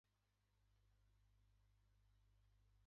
クラスメイトの女子がよくメールをしてくる